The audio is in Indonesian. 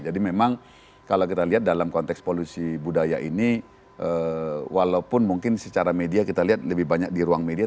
jadi memang kalau kita lihat dalam konteks polusi budaya ini walaupun mungkin secara media kita lihat lebih banyak di ruang media